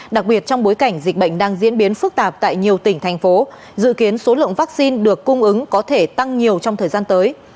đặc biệt trong bối cảnh dịch bệnh đang diễn biến phức tạp tại nhiều tỉnh thành phố dự kiến số lượng vaccine được cung ứng có thể tăng nhiều trong thời gian tới